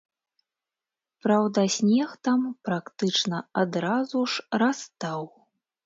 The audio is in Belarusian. Праўда, снег там практычна адразу ж растаў.